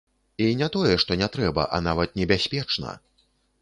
І не тое што не трэба, а нават небяспечна.